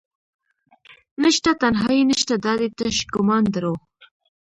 نشته تنهایې نشته دادي تش ګمان دروح